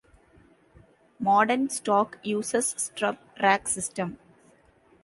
Modern stock uses Strub rack system.